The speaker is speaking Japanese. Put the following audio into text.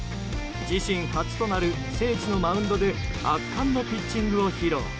自身初となる聖地のマウンドで圧巻のピッチングを披露。